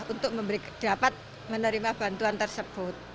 untuk dapat menerima bantuan tersebut